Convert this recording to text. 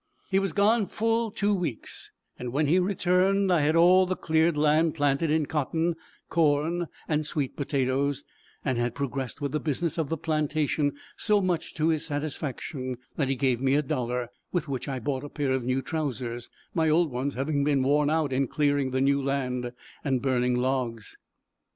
He was gone full two weeks; and when he returned, I had all the cleared land planted in cotton, corn, and sweet potatoes, and had progressed with the business of the plantation so much to his satisfaction, that he gave me a dollar, with which I bought a pair of new trowsers my old ones having been worn out in clearing the new land, and burning logs.